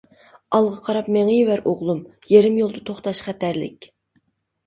ئالغا قاراپ مېڭىۋەر ئوغلۇم، يېرىم يولدا توختاش خەتەرلىك.